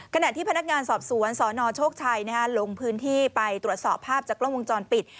ขณะที่พนักงานสอบสวนสนโชคชัยลงพื้นที่ไปตรวจสอบภาพจากกล้องวงจรปิด